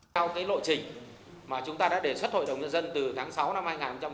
sau lộ trình mà chúng ta đã đề xuất hội đồng nhân dân từ tháng sáu năm hai nghìn một mươi sáu